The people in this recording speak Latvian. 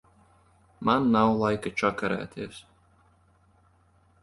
Man nav laika čakarēties.